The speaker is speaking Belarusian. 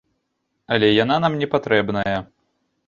Але яна нам не патрэбная.